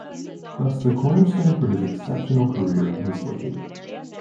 Thus the cornerstone for his exceptional career was laid.